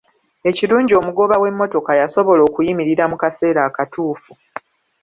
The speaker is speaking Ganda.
Ekirungi omugoba w'emmotoka yasobola okuyimirira mu kaseera akatuufu.